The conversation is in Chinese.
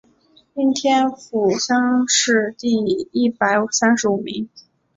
应天府乡试第一百三十五名。